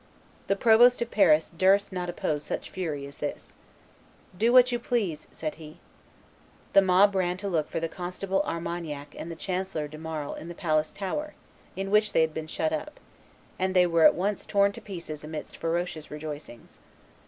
'" The provost of Paris durst not oppose such fury as this. "Do what you please," said he. The mob ran to look for the constable Armagnac and the chancellor de Marle in the Palace tower, in which they had been shut up, and they were at once torn to pieces amidst ferocious rejoicings.